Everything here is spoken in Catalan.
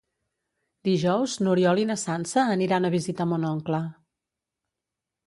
Dijous n'Oriol i na Sança aniran a visitar mon oncle.